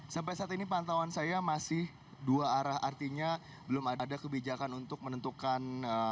sampai saat ini pantauan saya masih dua arah artinya belum ada kebijakan untuk menentukan